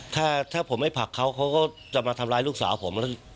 ถ้าผมไม่ผลักเขาเขาก็จะมาทำร้ายลูกสาวผม